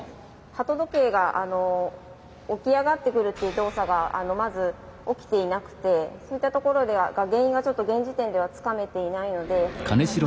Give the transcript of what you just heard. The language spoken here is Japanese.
鳩時計が起き上がってくるっていう動作がまず起きていなくてそういったところで原因がちょっと現時点ではつかめていないので。